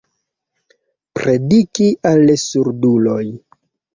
Prediki al surduloj.